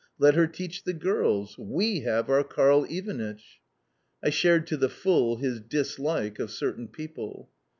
"Let her teach the girls. WE have our Karl Ivanitch." I shared to the full his dislike of "certain people."